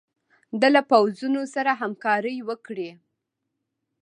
ده له پوځونو سره همکاري وکړي.